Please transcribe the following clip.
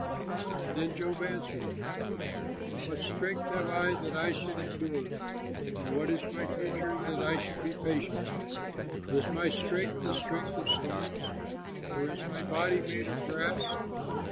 Then Job answered: "What strength have I, that I should endure? And what is my future, that I should be patient? Is my strength the strength of stones, Or is my body made of brass?